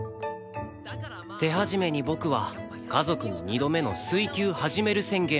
手始めに僕は家族に２度目の水球始める宣言をした